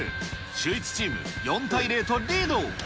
シューイチチーム、４対０とリード。